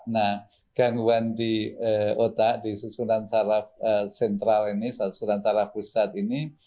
nah gangguan di otak di susunan saraf sentral ini sasuran saraf pusat ini